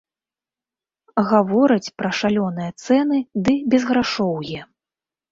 Гавораць пра шалёныя цэны ды безграшоўе.